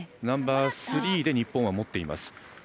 ナンバースリーで日本は持っています。